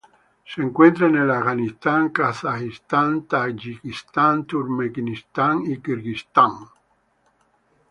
Se encuentra en el Afganistán, Kazajistán, Tayikistán, Turkmenistán y Kirguistán.